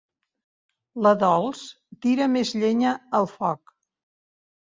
La Dols tira més llenya al foc.